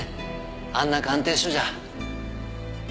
あんな鑑定書じゃ。